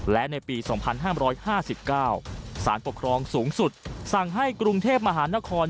และในปี๒๕๕๙สารปกครองสูงสุดสั่งให้กรุงเทพมหานคร